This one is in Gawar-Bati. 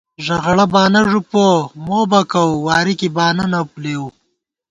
ݫغڑہ بانہ ݫُپُوَہ مو بکَوُو، واری کی بانہ نہ لېوُو